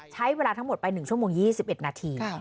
ใช้เวลาทั้งหมดไป๑ชั่วโมง๒๑นาที